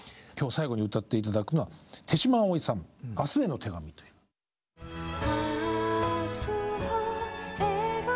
今日最後に歌って頂くのは手嶌葵さん「明日への手紙」という。